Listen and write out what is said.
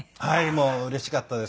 もううれしかったですよ。